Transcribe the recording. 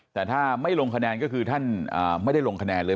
แต่ถ้าไม่ลงคะแนนก็คือท่านไม่ได้ลงคะแนนเลย